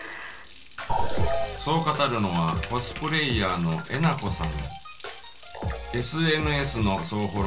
そう語るのはコスプレイヤーのえなこさん。